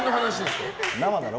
生だろ？